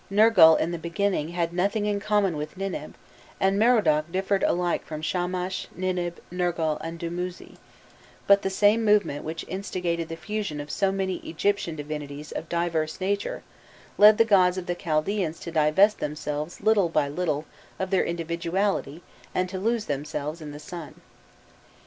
Nergal in the beginning had nothing in common with Ninib, and Merodach differed alike from Shamash, Ninib, Nergal, and Dumuzi; but the same movement which instigated the fusion of so many Egyptian divinities of diverse nature, led the gods of the Chaldaeans to divest themselves little by little of their individuality and to lose themselves in the sun.